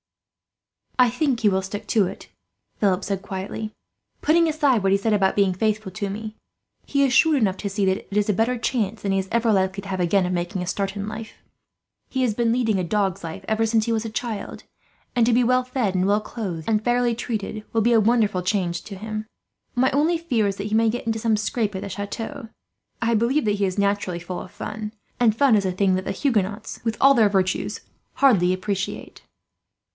"I think he will stick to it," Philip said quietly. "Putting aside what he says about being faithful to me, he is shrewd enough to see that it is a better chance than he is ever likely to have, again, of making a start in life. He has been leading a dog's life, ever since he was a child; and to be well fed, and well clothed, and fairly treated will be a wonderful change for him. "My only fear is that he may get into some scrape at the chateau. I believe that he is naturally full of fun, and fun is a thing that the Huguenots, with all their virtues, hardly appreciate."